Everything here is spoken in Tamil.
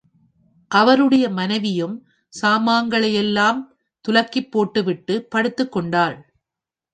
அவருடைய மனைவியும் சாமான்களையெல்லாம் துலக்கிப் போட்டுவிட்டுப் படுத்துக்கொண்டாள்.